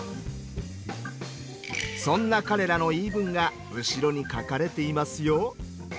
そんな彼らの言い分が後ろに書かれていますよ。